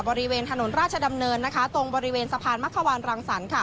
บริเวณถนนราชดำเนินนะคะตรงบริเวณสะพานมะขวานรังสรรค์ค่ะ